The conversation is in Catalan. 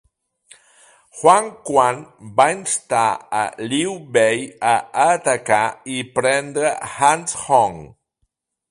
Huang Quan va instar a Liu Bei a atacar i prendre Hanzhong.